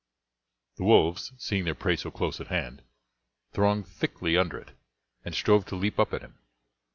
The wolves, seeing their prey so close at hand, thronged thickly under it, and strove to leap up at him.